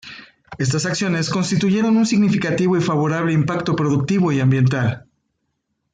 Estas acciones constituyeron un significativo y favorable impacto productivo y ambiental.